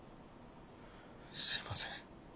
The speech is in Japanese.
すみません。